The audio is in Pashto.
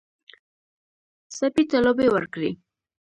سپي ته لوبې ورکړئ.